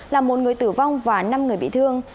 làm một người tử vong và năm người bị thương